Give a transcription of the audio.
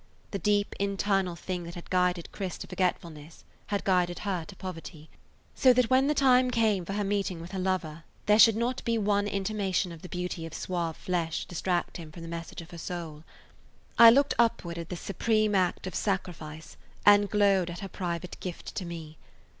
The deep internal thing that had guided Chris to forgetfulness had guided her to poverty, so that when the time came for her meeting with her lover there should be not one intimation of the beauty of suave flesh to distract him from the message of her soul. I looked upward at this supreme act of sacrifice and glowed at her private gift to me.